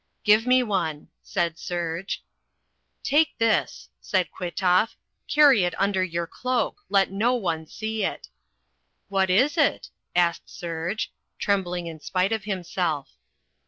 "Give me one," said Serge. "Take this," said Kwitoff. "Carry it under your cloak. Let no one see it." "What is it?" asked Serge, trembling in spite of himself.